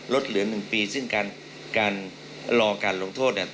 เหลือ๑ปีซึ่งการรอการลงโทษเนี่ย